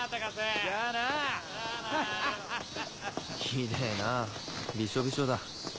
ひでぇなビショビショだ。